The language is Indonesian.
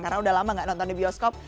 karena udah lama gak nonton di bioskop